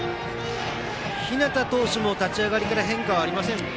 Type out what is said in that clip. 日當投手も立ち上がりから変化ありませんね。